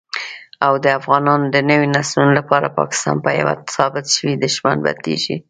او دافغانانو دنويو نسلونو لپاره پاکستان په يوه ثابت شوي دښمن بدليږي